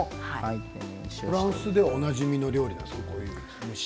フランスではおなじみの料理なんですか？